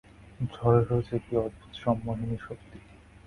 ঝড়েরও যে কী অদ্ভুত সম্মোহনী শক্তি!